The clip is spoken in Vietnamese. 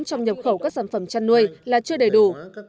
trong nhập khẩu các sản phẩm chăn nuôi là chưa đầy đủ